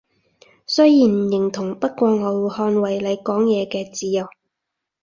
雖然唔認同，不過我會捍衛你講嘢嘅自由